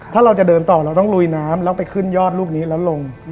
ถ้าเราจะเดินต่อเราต้องลุยน้ำแล้วไปขึ้นยอดลูกนี้แล้วลง